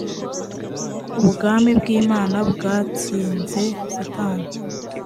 ubwami bw’ imana bwatsinze satani.